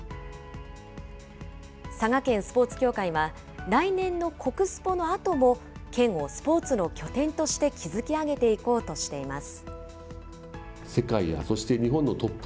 佐賀県スポーツ協会は、来年の国スポのあとも、県をスポーツの拠点として築き上げていこうとしています。